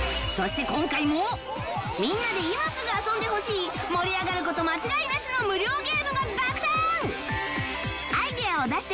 みんなで今すぐ遊んでほしい盛り上がる事間違いなしの無料ゲームが爆誕！